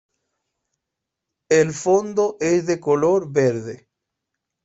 El fondo es de color verde.